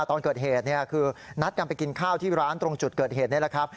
ตอนเกิดเหตุคือนัดกันไปกินข้าวที่ร้านตรงจุดเกิดเหตุนี่แหละครับ